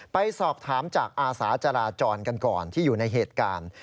ไปสอบถามจากอาสาจราจรกันก่อนที่อยู่ในเหตุการณ์